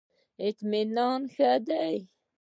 اطمینان ښه دی.